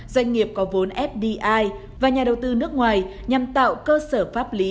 doanh nghiệp có vốn fdi và nhà đầu tư nước ngoài nhằm tạo cơ sở pháp lý